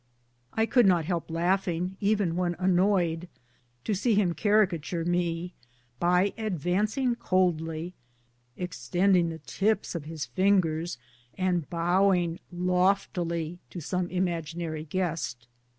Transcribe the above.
I could not help laughing, even when annoyed, to see him caricature me by advancing coldly, extending the tips of his fingers, and bowing loftily to some imaginary guest.